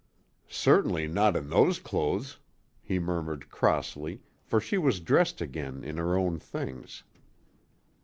"Certainly not in those clothes," he murmured crossly, for she was dressed again in her own things.